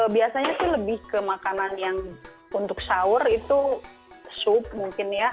biasanya sih lebih ke makanan yang untuk sahur itu sup mungkin ya